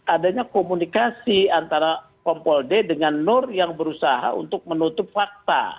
adanya komunikasi antara kompol d dengan nur yang berusaha untuk menutup fakta